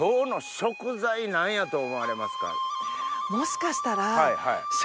もしかしたら。